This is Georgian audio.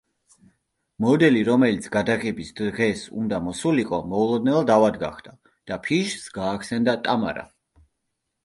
მოდელი, რომელიც გადაღების დღეს უნდა მოსულიყო, მოულოდნელად ავად გახდა და ფიშს გაახსენდა ტამარა.